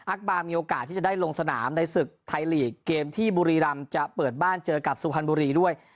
บาร์มีโอกาสที่จะได้ลงสนามในศึกไทยลีกเกมที่บุรีรำจะเปิดบ้านเจอกับสุพรรณบุรีด้วย